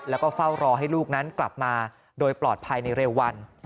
แล้วก็เฝ้ารอให้ลูกนั้นกลับมาโดยปลอดภัยในเร็ววัน